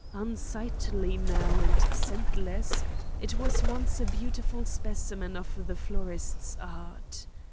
Unsightly now and scentless, it was once a beautiful specimen of the florist's art.